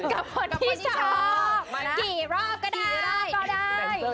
กับเพลงที่มีชื่อว่ากี่รอบก็ได้